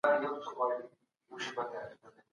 ليکوال او ټولنه يو له بل سره تړلي دي.